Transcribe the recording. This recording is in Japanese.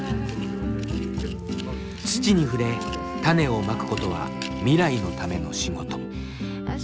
土に触れ種をまくことは未来のための仕事。